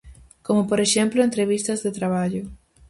Como por exemplo entrevistas de traballo.